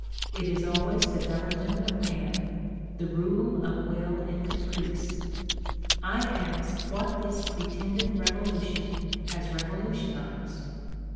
It is always the government of man, the rule of will and caprice. I ask what this pretended revolution has revolutionized?